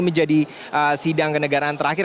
menjadi sidang kenegaraan terakhir